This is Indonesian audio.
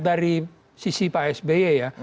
dari sisi pak sby ya